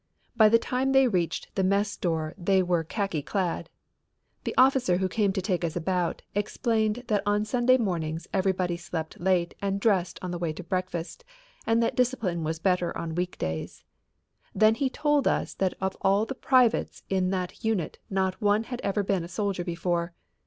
By the time they reached the mess door they were khaki clad. The officer who came to take us about explained that on Sunday mornings everybody slept late and dressed on the way to breakfast and that discipline was better on week days. Then he told us that of all the privates in that unit not one had ever been a soldier before.